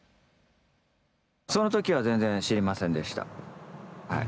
その時は全然知りませんでしたはい。